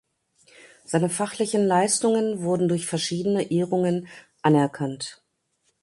Seine fachlichen Leistungen wurden durch verschiedene Ehrungen anerkannt.